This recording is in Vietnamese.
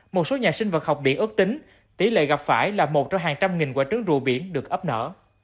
một số nhà sinh vật học biển ước tính tỷ lệ gặp phải là một trong hàng trăm nghìn quả trứng rùa biển được ấp nở